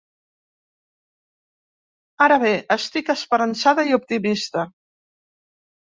Ara bé, estic esperançada i optimista.